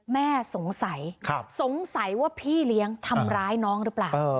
แม่สงสัยสงสัยว่าพี่เลี้ยงทำร้ายน้องหรือเปล่า